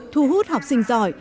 thu hút học sinh giỏi